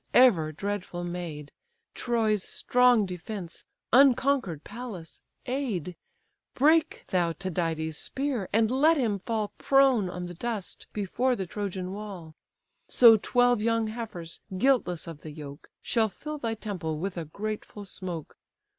ever dreadful maid, Troy's strong defence, unconquer'd Pallas, aid! Break thou Tydides' spear, and let him fall Prone on the dust before the Trojan wall! So twelve young heifers, guiltless of the yoke, Shall fill thy temple with a grateful smoke.